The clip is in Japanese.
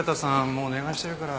もうお願いしてるから。